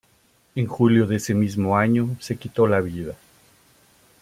En julio de ese mismo año se quitó la vida.